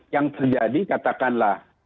yang terjadi katakanlah